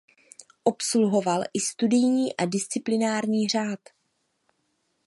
Obsahoval i studijní a disciplinární řád.